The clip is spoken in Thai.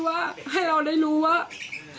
หนูก็พูดอย่างงี้หนูก็พูดอย่างงี้